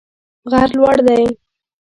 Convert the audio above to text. غر لوړ دی